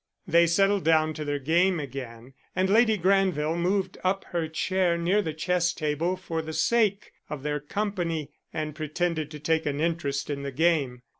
They settled down to their game again and Lady Granville moved up her chair near the chess table for the sake of their company and pretended to take an interest in the game.